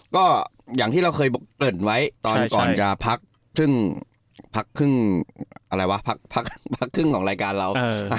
ก็อย่างที่เราเคยเปิดไว้ก่อนจะพักครึ่งของรายการเรา